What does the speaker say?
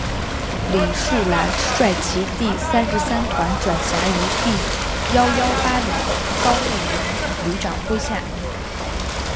李树兰率其第三十三团转辖于第一一八旅高魁元旅长麾下。